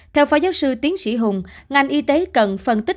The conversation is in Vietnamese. theo phó giáo sư tiến sĩ hùng ngành y tế cần phân tích